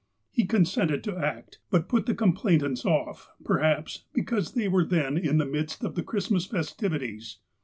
He consented to act, but put the complainants off, perhaps, because they were then in the midst of the Christmas festivities.